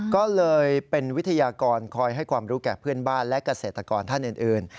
ก็เลยเป็นวิทยากรคอยให้ความรู้แก่เพื่อนบ้านและเกษตรกรท่านอื่น